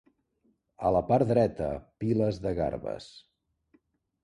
A la part dreta piles de garbes.